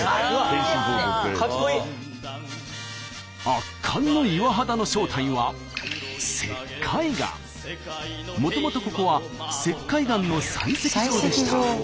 圧巻の岩肌の正体はもともとここは石灰岩の採石場でした。